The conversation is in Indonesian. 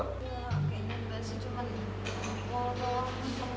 ya kayaknya basi cuma mual doang